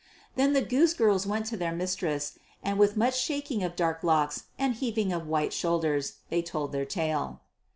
Then the goose girls went to their mistress and with much shaking of dark locks and heaving of white shoulders they told their tale.